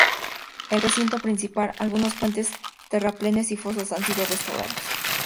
El recinto principal, algunos puentes, terraplenes y fosos han sido restaurados.